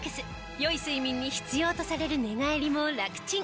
良い睡眠に必要とされる寝返りもラクチン。